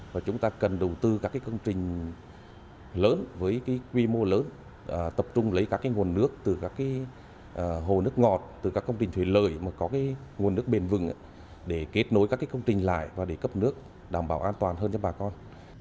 và chúng ta cần đầu tư các công trình lớn với quy mô lớn tập trung lấy các nguồn nước từ các hồ nước ngọt từ các công trình thủy lợi mà có nguồn nước bền vừng để kết nối các công trình lại và để cấp nước đảm bảo an toàn hơn cho bà con